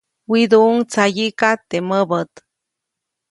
Widuʼuʼuŋ tsayiʼka teʼ mäbät.